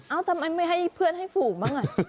ทำไมไม่ให้เพื่อนให้ฝูงบ้างอ่ะ